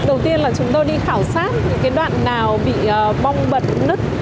đầu tiên là chúng tôi đi khảo sát những đoạn nào bị bong bật nứt